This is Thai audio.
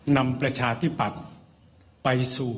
นำประชาธิบัติไปสู่